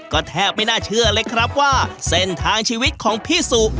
ก็แทบไม่น่าเชื่อเลยครับว่าเส้นทางชีวิตของพี่สุ